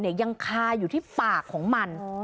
ยังคาอยู่ที่ปากของมัน